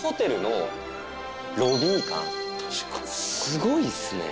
すごいっすね。